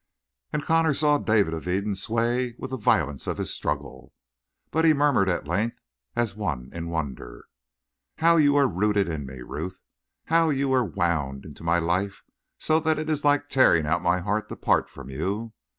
And Connor saw David of Eden sway with the violence of his struggle. But he murmured at length, as one in wonder: "How you are rooted in me, Ruth! How you are wound into my life, so that it is like tearing out my heart to part from you.